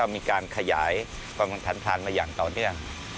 มีการขยายความขันผ่านมาอย่างต่อเนื่อง